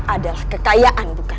adalah kekayaan bukan